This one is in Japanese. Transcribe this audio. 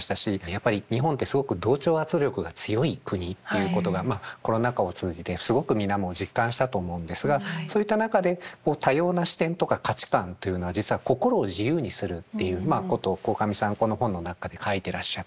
やっぱり日本ってすごく同調圧力が強い国っていうことがコロナ禍を通じてすごく皆も実感したと思うんですがそういった中でこう多様な視点とか価値観というのは実は心を自由にするっていうことを鴻上さんこの本の中で書いてらっしゃって。